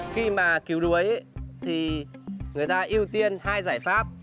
khi mà cứu đuối thì người ta ưu tiên hai giải pháp